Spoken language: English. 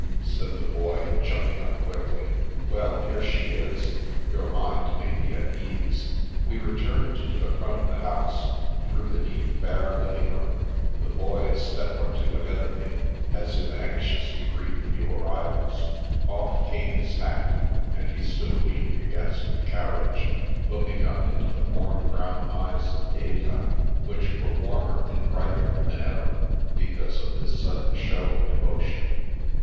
" said the Boy, jumping up quickly. " Well, here she is ; your mind may be at ease." We returned to the front of the house, through the neat, bare " living room," the Boy a step or two ahead of me, as if anxious to greet the new arrivals. Off came his hat, and he stood leaning against the carriage, looking up into the warm brown eyes of Gaeta, which were warmer and brighter than ever because of this sudden show of devotion.